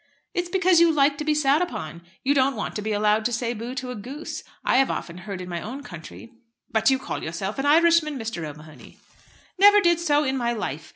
"It's because you like to be sat upon. You don't want to be allowed to say bo to a goose. I have often heard in my own country " "But you call yourself an Irishman, Mr. O'Mahony." "Never did so in my life.